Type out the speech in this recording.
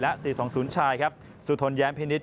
และ๔๒๐ชายสุธนแย้งพินิษฐ์